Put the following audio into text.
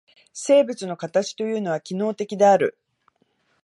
生物の形というのは機能的である。